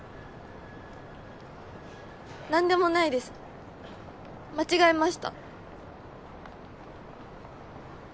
何でもないです間違えました。